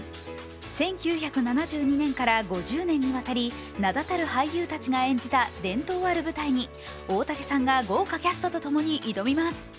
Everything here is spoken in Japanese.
１９７２年から５０年にわたり名だたる俳優たちが演じてきた伝統ある舞台に大竹さんが豪華キャストともに挑みます。